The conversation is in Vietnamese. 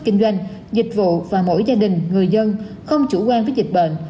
kinh doanh dịch vụ và mỗi gia đình người dân không chủ quan với dịch bệnh